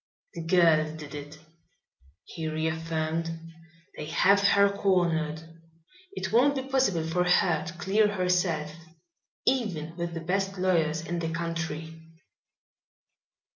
"The girl did it," he reaffirmed. "They have her cornered. It won't be possible for her to clear herself, even with the best lawyers in the country."